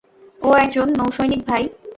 ও একজন নৌসৈনিক, ভাই।